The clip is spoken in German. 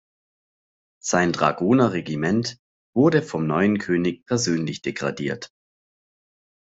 Sein Dragoner-Regiment wurde vom neuen König persönlich degradiert.